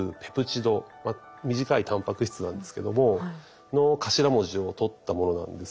短いたんぱく質なんですけども。の頭文字を取ったものなんです。